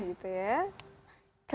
lapan aja gitu ya